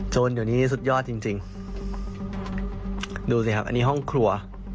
เดี๋ยวนี้สุดยอดจริงจริงดูสิครับอันนี้ห้องครัว